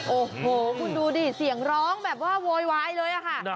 โอ้โหคุณดูดิเสียงร้องแบบว่าโวยวายเลยค่ะ